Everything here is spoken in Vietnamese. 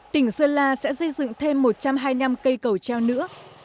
tỉnh sơn la sẽ xây dựng thêm một trăm hai mươi năm cây cầu treo nữa